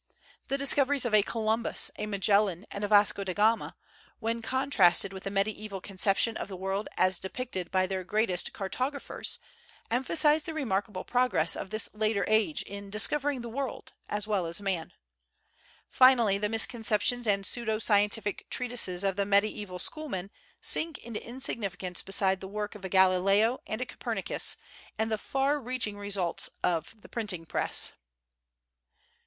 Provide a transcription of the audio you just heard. The discoveries of a Columbus, a Magellan and a Vasco da Gama, when contrasted with the medieval conception of the world as depicted by their greatest cartographers, emphasize the remarkable progress of this later age in "discovering the world," as well as man. Finally the misconceptions and pseudo scientific treatises of the medieval schoolmen sink into insignificance beside the work of a Galileo and a Copernicus and the far reaching results of the printing press.